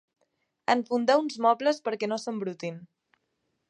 Enfundar uns mobles perquè no s'embrutin.